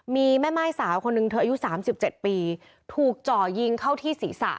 มีแม่ม่ายสาวคนหนึ่งเธออายุ๓๗ปีถูกจ่อยิงเข้าที่ศีรษะ